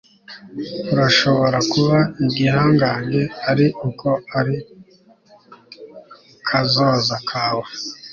urashobora kuba igihangange ari uko ari kazoza kawe